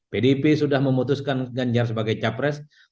pdip sudah memutuskan ganjar sebagai calon presiden dua ribu dua puluh empat